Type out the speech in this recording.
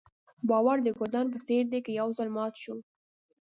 باور د ګلدان په څېر دی که یو ځل مات شو.